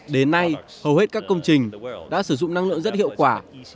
đến nay hầu hết các công trình đã sử dụng năng lượng rất hiệu quả